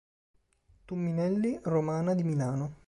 Tumminelli Romana di Milano.